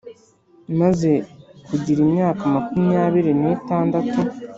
maze kugira imyaka makumyabiri n’itandatu